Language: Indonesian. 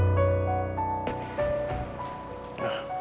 was ohga itu ini cuy